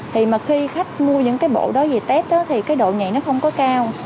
thì mà khi khách mua những cái bộ đó về tét thì cái độ nhạy nó không có cao